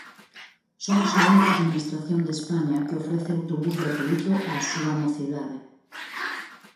Somos a única administración de España que ofrece autobús gratuíto á súa mocidade.